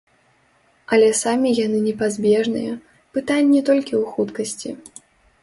Але самі яны непазбежныя, пытанне толькі ў хуткасці.